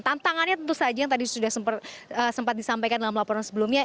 tantangannya tentu saja yang tadi sudah sempat disampaikan dalam laporan sebelumnya